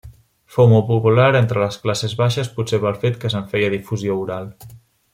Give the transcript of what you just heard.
Fou molt popular entre les classes baixes potser pel fet que se'n feia difusió oral.